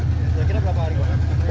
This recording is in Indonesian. kira kira berapa hari